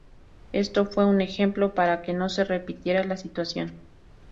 Esto fue un ejemplo para que no se repitiera la situación.